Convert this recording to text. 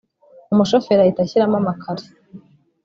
umushoferi ahita ashyiramo amakare